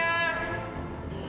masih gak ada